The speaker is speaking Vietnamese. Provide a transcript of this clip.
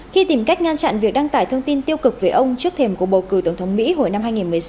khi tìm cách ngăn chặn việc đăng tải thông tin tiêu cực về ông trước thềm cuộc bầu cử tổng thống mỹ hồi năm hai nghìn một mươi sáu